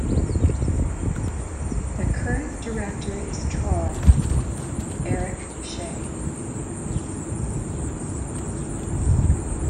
The current director is Trond Eirik Schea.